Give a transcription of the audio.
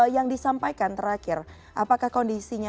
yang disampaikan terakhir apakah kondisinya